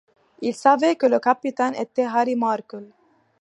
Il savait que le capitaine était Harry Markel...